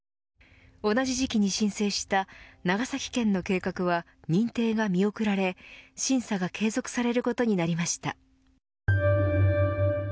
同じ時期に申請した長崎県の計画は認定が見送られ審査が継続されることになりました。